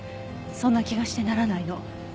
そんな気がしてならないの。